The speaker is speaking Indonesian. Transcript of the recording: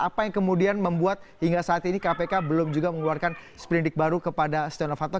apa yang kemudian membuat hingga saat ini kpk belum juga mengeluarkan seperindik baru kepada setia novanto